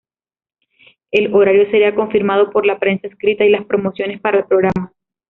El horario seria confirmado por la prensa escrita y las promociones para el programa.